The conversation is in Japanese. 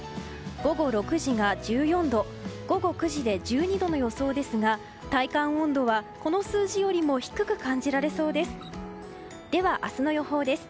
午後６時が１４度午後９時で１２度の予想ですが体感温度はこの数字よりも低く感じられそうです。